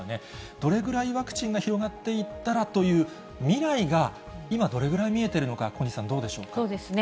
どれぐらいワクチンが広がっていったらという未来が今、どれぐらい見えているのか、小西さん、どうでしょうか。